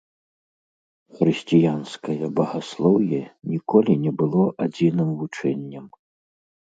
Хрысціянскае багаслоўе ніколі не было адзіным вучэннем.